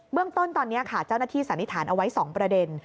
เรื่องต้นตอนนี้ค่ะเจ้าหน้าที่สันนิษฐานเอาไว้๒ประเด็น